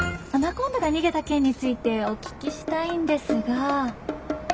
アナコンダが逃げた件についてお聞きしたいんですが。